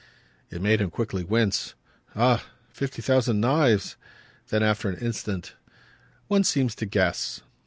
It made him quickly wince. "Ah fifty thousand knives!" Then after an instant: "One seems to guess."